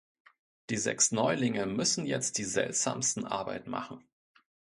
Die sechs Neulinge müssen jetzt die seltsamsten Arbeiten machen.